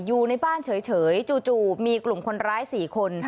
อยู่ในบ้านเฉยจู่มีกลุ่มคนร้าย๔คน